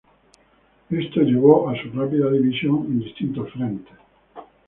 Esto llevó a su rápida división en distintos frentes.